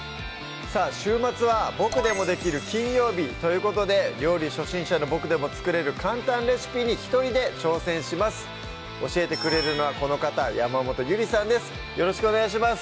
週末は「ボクでもできる！金曜日」ということで料理初心者のボクでも作れる簡単レシピに一人で挑戦します教えてくれるのはこの方山本ゆりさんです